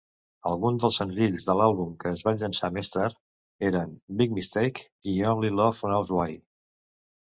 Alguns dels senzills de l'àlbum que es van llançar més tard eren "Big Mistake" i "Only Love Knows Why".